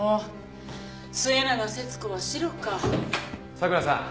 佐倉さん。